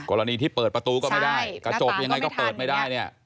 กรณีที่เปิดประตูก็ไม่ได้กระจกยังไงก็เปิดไม่ได้เนี่ย